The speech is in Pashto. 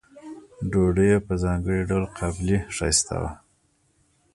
ډوډۍ یې په ځانګړي ډول قابلي ښایسته وه.